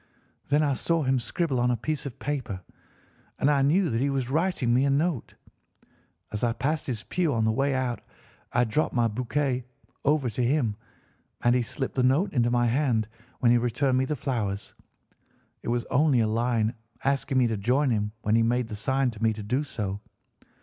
Then I saw him scribble on a piece of paper, and I knew that he was writing me a note. As I passed his pew on the way out I dropped my bouquet over to him, and he slipped the note into my hand when he returned me the flowers. It was only a line asking me to join him when he made the sign to me to do so.